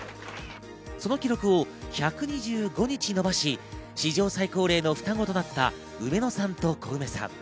その記録を１２５日延ばし史上最高齢の双子となったウメノさんとコウメさん。